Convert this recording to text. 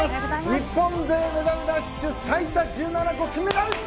日本勢メダルラッシュ最多１７個、金メダル！